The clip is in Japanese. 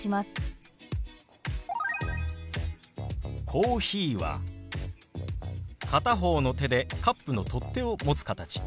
「コーヒー」は片方の手でカップの取っ手を持つ形。